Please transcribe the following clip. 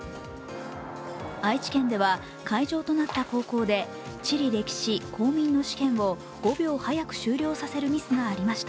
愛知県では、会場となった高校で地理歴史・公民の試験を５秒早く終了させるミスがありました。